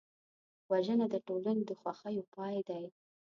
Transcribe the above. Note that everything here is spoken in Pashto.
وژنه د ټولنې د خوښیو پای دی